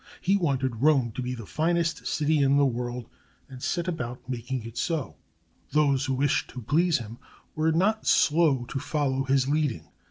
He wanted Rome to be the finest city in the world, and set about making it so. Those who wished to please him were not slow to follow his leading.